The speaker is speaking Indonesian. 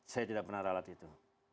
saya tidak pernah ralat itu